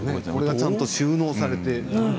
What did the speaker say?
これがちゃんと収納されて。